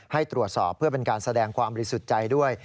ให้ตรวจสอบเพื่อเป็นการแสดงความบริสุทธิ์ใจด้วย